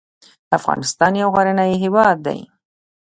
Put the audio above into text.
افغانستان يو غرنی هېواد دی.